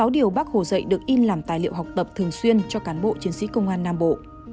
sáu điều bác hồ dạy được in làm tài liệu học tập thường xuyên cho cán bộ chiến sĩ công an nam bộ